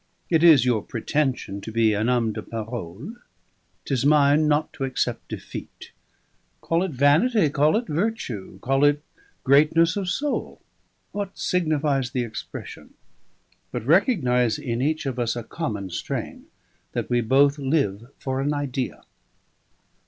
It is your pretension to be un homme de parole; 'tis mine not to accept defeat. Call it vanity, call it virtue, call it greatness of soul what signifies the expression? But recognise in each of us a common strain: that we both live for an idea."